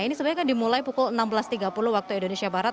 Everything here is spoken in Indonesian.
ini sebenarnya kan dimulai pukul enam belas tiga puluh waktu indonesia barat